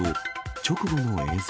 直後の映像。